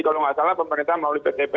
kalau tidak salah pemerintah melalui ptb